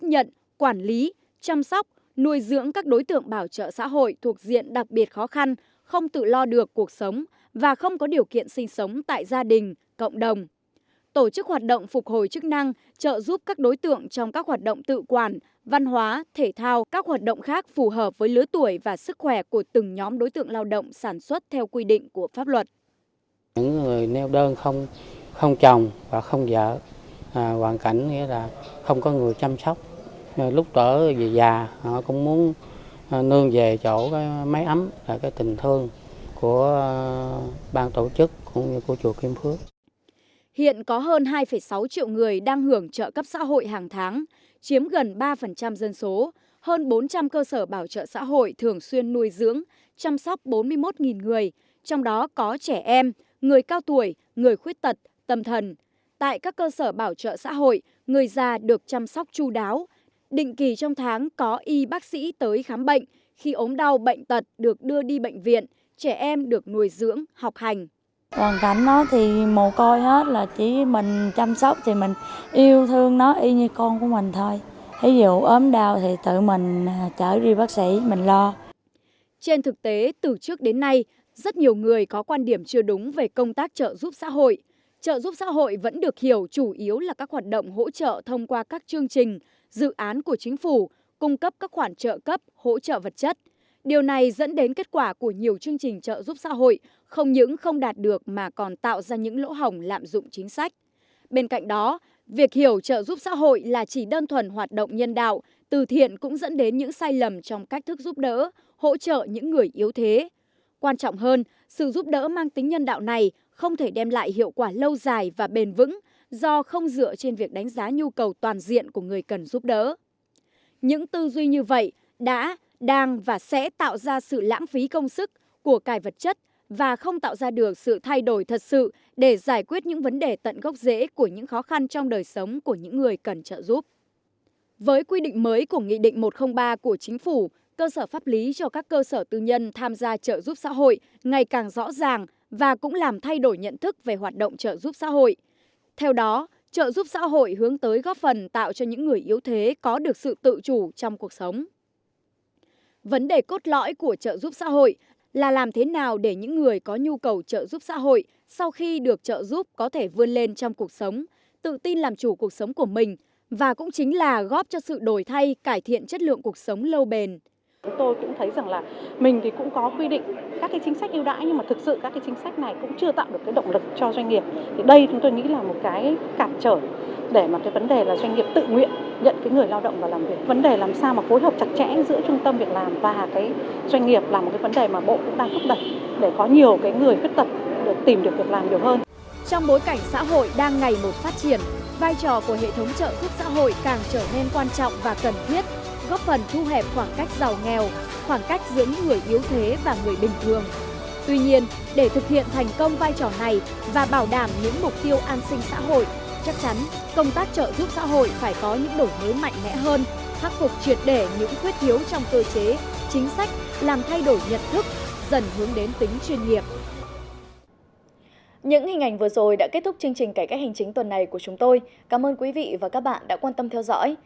hãy đăng ký kênh để ủng hộ kênh của mình nhé